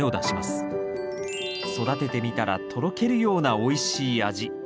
育ててみたらとろけるようなおいしい味。